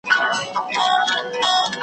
چي ملا كړ ځان تيار د جگړې لور ته .